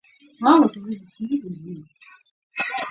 拔灼易怒多疑。